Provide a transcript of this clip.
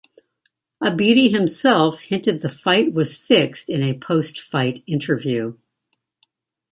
Abidi himself hinted the fight was fixed in a post fight interview.